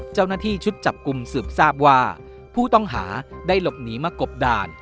เจ้าหน้าที่ชุดจับกลุ่มสืบทราบว่าผู้ต้องหาได้หลบหนีมากบด่าน